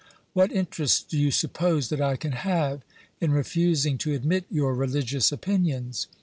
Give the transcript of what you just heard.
What interest do you suppose that I can have in re fusing to admit your religious opinions